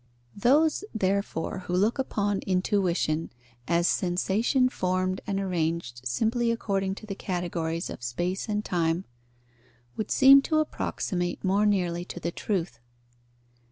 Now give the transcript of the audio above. _ Those, therefore, who look upon intuition as sensation formed and arranged simply according to the categories of space and time, would seem to approximate more nearly to the truth.